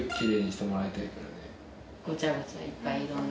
ごちゃごちゃいっぱいいろんな。